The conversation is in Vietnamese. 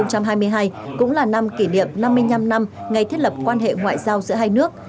năm hai nghìn hai mươi hai cũng là năm kỷ niệm năm mươi năm năm ngày thiết lập quan hệ ngoại giao giữa hai nước